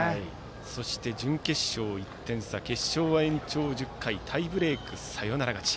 そして、準決勝は１点差決勝は延長１０回タイブレーク、サヨナラ勝ち。